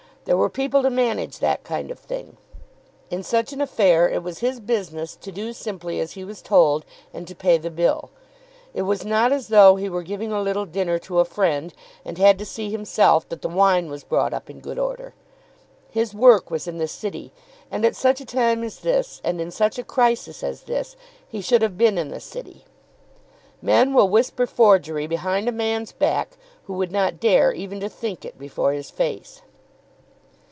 There were people to manage that kind of thing. In such an affair it was his business to do simply as he was told, and to pay the bill. It was not as though he were giving a little dinner to a friend, and had to see himself that the wine was brought up in good order. His work was in the City; and at such a time as this and in such a crisis as this, he should have been in the City. Men will whisper forgery behind a man's back who would not dare even to think it before his face.